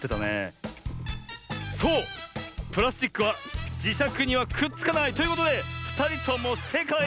そうプラスチックはじしゃくにはくっつかない。ということでふたりともせいかい！